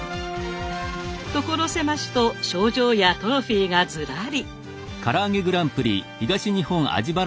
所狭しと賞状やトロフィーがずらり！